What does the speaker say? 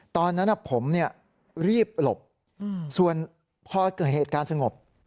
ตอนนั้นผมรีบหลบส่วนพอเกิดเหตุการณ์สงบ